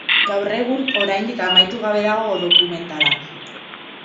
Gaur egun oraindik amaitu gabe dago dokumentala.